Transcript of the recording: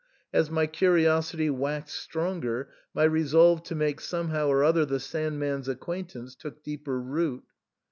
As my curiosity waxed stronger, my resolve to make somehow or other the Sand man's acquaintance took deeper root.